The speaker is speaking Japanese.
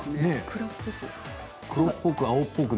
黒っぽく。